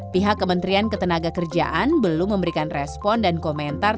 pihak kementerian ketenagakerjaan belum memberikan respon dan komentar